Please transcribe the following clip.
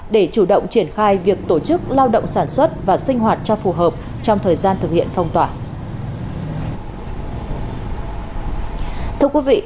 để chủ động triển khai việc tổ chức lao động sản xuất và sinh hoạt cho phù hợp trong thời gian thực hiện phong tỏa